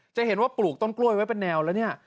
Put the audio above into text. จะเห็นว่าปลูกต้นกล้วยไว้เป็นแนวแล้วเนี่ย